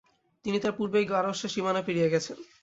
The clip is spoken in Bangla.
কিন্তু তিনি তার পূর্বেই পারস্যের সীমানা পেরিয়ে গেছেন।